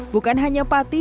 bukan hanya pati